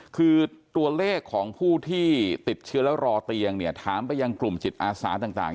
คือตัวเลขของผู้ที่ติดเชื้อแล้วรอเตียงเนี่ยถามไปยังกลุ่มจิตอาสาต่าง